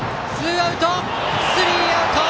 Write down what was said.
スリーアウト！